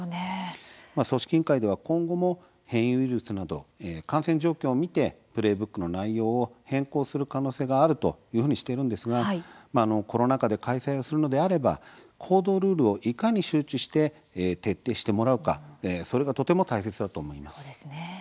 組織委員会では今後も変異ウイルスなどの感染状況を見てプレーブックの内容を変更する可能性があるとしていますがコロナ禍で開催するのであれば行動ルールをいかに周知して徹底してもらうかそれがとても大切だと思います。